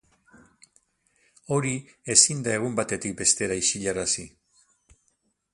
Hori ezin da egun batetik bestera isilarazi.